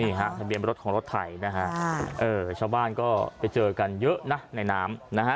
นี่ค่ะทะเบียนรถของรถไถชาวบ้านก็ไปเจอกันเยอะนะในน้ำ